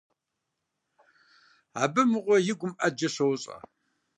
Абы, мыгъуэ, и гум Ӏэджэ щощӀэ.